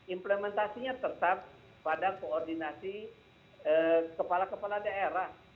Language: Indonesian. implementasinya tetap pada koordinasi kepala kepala daerah